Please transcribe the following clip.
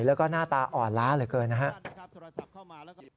แล้วก็หน้าตาอ่อนล้าเหลือเกินนะครับ